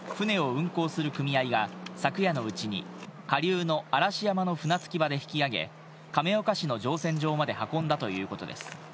船を運航する組合が昨夜のうちに下流の嵐山の船着き場で引き揚げ、亀岡市の乗船場まで運んだということです。